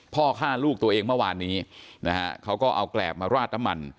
พ่อฆ่าลูกตัวเองเมื่อวานนี้นะฮะเขาก็เอาแกรบมาราดน้ำมัน